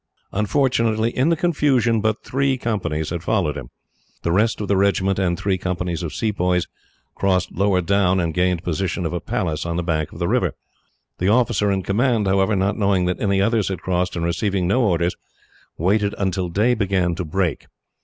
Unfortunately, in the confusion but three companies had followed him. The rest of the regiment and three companies of Sepoys crossed lower down, and gained possession of a palace on the bank of the river. The officer in command, however, not knowing that any others had crossed, and receiving no orders, waited until day began to break.